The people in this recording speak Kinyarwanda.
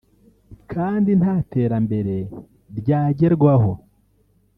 kandi nta terambere ryagerwaho